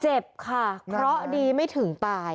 เจ็บค่ะเคราะห์ดีไม่ถึงตาย